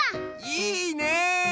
いいね！